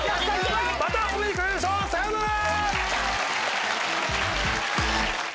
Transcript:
またお目にかかりましょうさようなら。